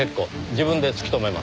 自分で突き止めます。